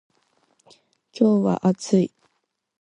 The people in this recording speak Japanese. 今日は暑い。